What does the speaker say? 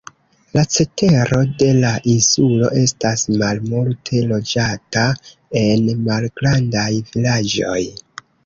La cetero de la insulo estas malmulte loĝata en malgrandaj vilaĝoj.